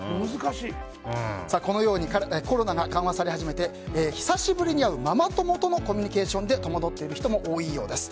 このようにコロナが緩和され始めて久しぶりに会うママ友とのコミュニケーションで戸惑っている人も多いようです。